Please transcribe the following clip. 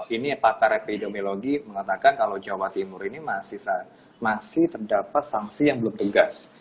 ini pakar epidemiologi mengatakan kalau jawa timur ini masih terdapat sanksi yang belum tegas